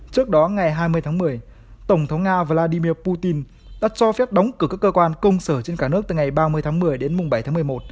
trước đó ngày hai mươi tháng một mươi tổng thống nga vladimir putin đã cho phép đóng cửa các cơ quan công sở trên cả nước từ ngày ba mươi tháng một mươi đến bảy tháng một mươi một